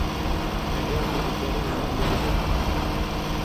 Eger tu dikarî, li min bigire.